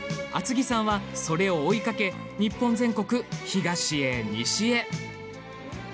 厚木さんはそれを追いかけ日本全国、東へ西へ。